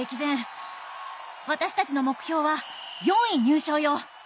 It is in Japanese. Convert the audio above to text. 私たちの目標は４位入賞よ。